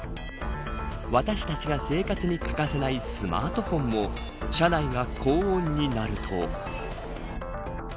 私たちが生活に欠かせないスマートフォンも車内が高温になると。